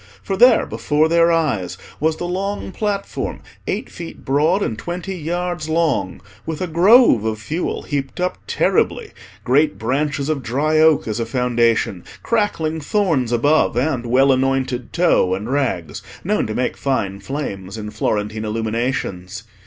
For there, before their eyes, was the long platform, eight feet broad, and twenty yards long, with a grove of fuel heaped up terribly, great branches of dry oak as a foundation, crackling thorns above, and well anointed tow and rags, known to make fine flames in Florentine illuminations.